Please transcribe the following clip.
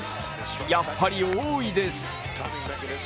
やっぱり多いです。